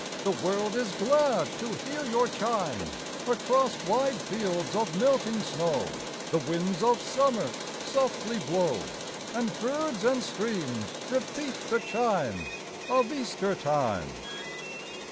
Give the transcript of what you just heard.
The world is glad to hear your chime ; Across wide fields of melting snow The winds of summer softly blow, And birds and streams repeat the chime Of Easter time.